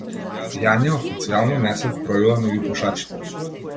Јања официјално не се вбројува меѓу пушачите.